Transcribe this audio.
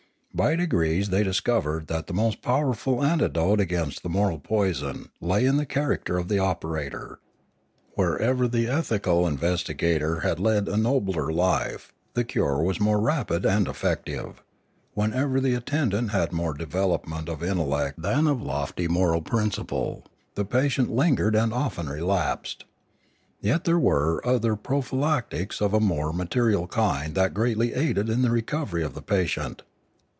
By degrees they discovered that the most powerful antidote against the moral poison lay in the character of the operator; wherever the ethical investigator had led a nobler life, the cure was more rapid and effective; wherever the attendant had more development of intellect than of lofty moral prin ciple, the patient lingered and often relapsed. Yet there were other prophylactics of a more material kind that greatly aided in the recovery of the patient.